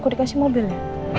aku dikasih mobil ya